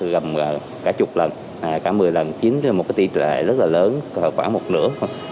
gầm cả chục lần cả mười lần chính là một cái tỷ lệ rất là lớn khoảng một nửa